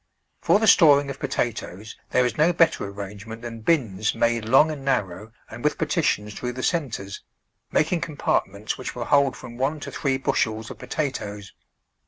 For the storing of potatoes there is no better ar rangement than bins made long and narrow and with partitions through the centres, making com partments which will hold from one to three bush els of potatoes.